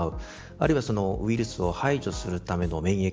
あるいはウイルスを排除するための免疫